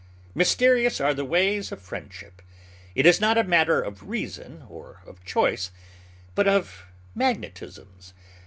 Mysterious are the ways of friendship. It is not a matter of reason or of choice, but of magnetisms.